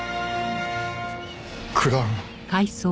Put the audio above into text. クラウン。